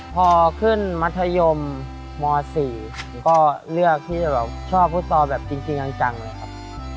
พอขึ้นมัธยมม๔ก็เลือกชอบฟุตซอลจริงจังเลยครับ